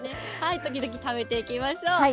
時々食べていきましょう。